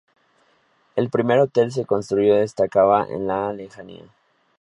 El primer hotel que se construyó destacaba en la lejanía.